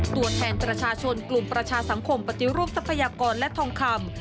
ตัวแทนประชาชนกลุ่มประชาสังคมปฏิรูปทรัพยากรและทองคำ